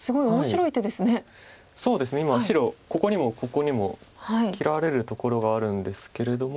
ここにもここにも切られるところがあるんですけれども。